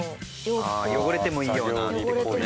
汚れてもいいようなって事ね。